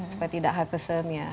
supaya tidak hypersome ya